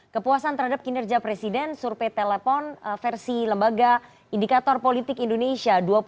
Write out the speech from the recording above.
kepuasan terhadap kinerja presiden survei telepon versi lembaga indikator politik indonesia